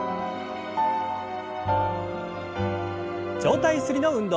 上体ゆすりの運動。